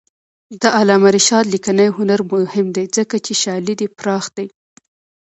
د علامه رشاد لیکنی هنر مهم دی ځکه چې شالید پراخ دی.